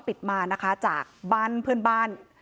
ปิดมานะคะจากบ้านเพื่อนบ้าน